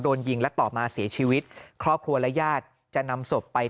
โดนยิงและต่อมาเสียชีวิตครอบครัวและญาติจะนำศพไป